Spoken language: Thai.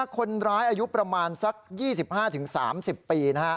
คนร้ายอายุประมาณสัก๒๕๓๐ปี